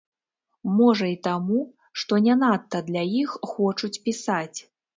Можа і таму, што не надта для іх хочуць пісаць.